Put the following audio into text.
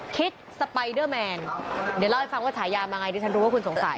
สไปเดอร์แมนเดี๋ยวเล่าให้ฟังว่าฉายามาไงดิฉันรู้ว่าคุณสงสัย